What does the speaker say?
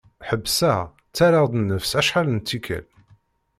Ḥebbseɣ, ttarraɣ-d nnefs acḥal n tikkal.